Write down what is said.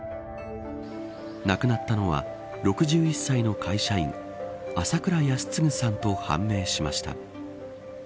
亡くなったのは６１歳の会社員朝倉泰嗣さんと判明しました。